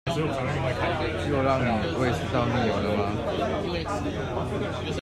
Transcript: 又讓你胃食道逆流了嗎？